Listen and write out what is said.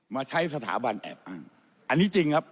มาใช้สถาบันแอบอ้างอันนี้จริงครับ